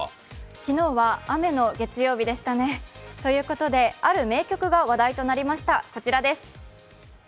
昨日は雨の月曜日でしたね。ということで、ある名曲が話題となりました、こちらです。